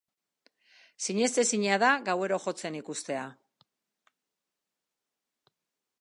Sinestezina da gauero jotzen ikustea.